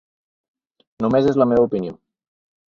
Només és la meva opinió.